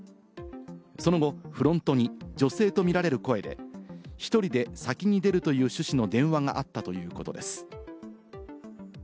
その後、フロントに女性とみられる声で１人で先に出るという趣旨の電話があったということです。